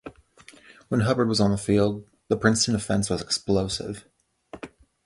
When Hubbard was on the field, the Princeton offense was explosive.